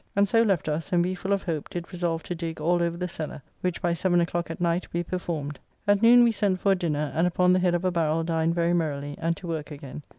And so left us, and we full of hope did resolve to dig all over the cellar, which by seven o'clock at night we performed. At noon we sent for a dinner, and upon the head of a barrel dined very merrily, and to work again.